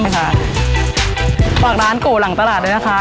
ไม่ทำค่ะฝากร้านโกหลังตลาดเลยนะคะ